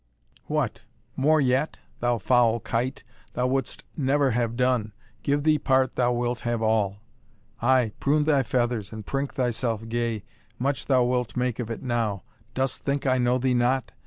"What! more yet? thou foul kite, thou wouldst never have done give thee part thou wilt have all Ay, prune thy feathers, and prink thyself gay much thou wilt make of it now dost think I know thee not?